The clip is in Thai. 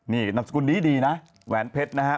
นี่นามสกุลนี้ดีนะแหวนเพชรนะฮะ